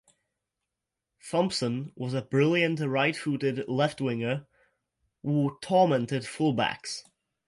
Thompson was a brilliant right-footed left winger, who tormented full-backs.